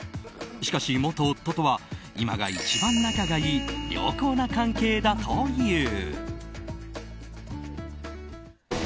しかし、元夫とは今が一番仲がいい良好な関係だという。